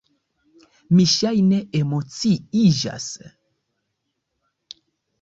Mi, ŝajne, emociiĝis.